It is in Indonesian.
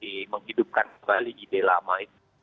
jadi menghidupkan kembali ide lama itu